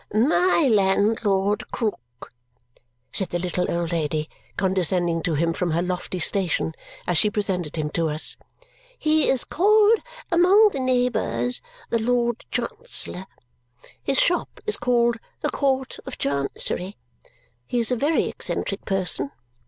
"My landlord, Krook," said the little old lady, condescending to him from her lofty station as she presented him to us. "He is called among the neighbours the Lord Chancellor. His shop is called the Court of Chancery. He is a very eccentric person.